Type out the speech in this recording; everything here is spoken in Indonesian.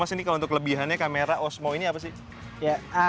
mas ini kalau untuk kelebihannya kamera osmo ini apa sih